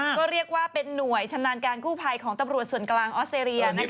ก็เรียกว่าเป็นหน่วยชำนาญการกู้ภัยของตำรวจส่วนกลางออสเตรเลีย